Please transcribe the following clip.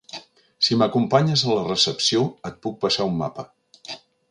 Si m'acompanyes a la recepció et puc passar un mapa.